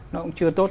nó cũng chưa tốt